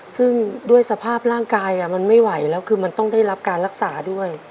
ซึ่งด้วยสภาพร่างกายมันไม่ไหวแล้วคือมันต้องได้รับการรักษาด้วย